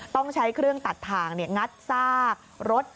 ต้องใช้เครื่องตัดทางงัดซากรถ